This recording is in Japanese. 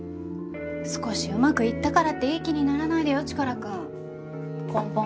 少しうまくいったからっていい気にならないでよチカラくん。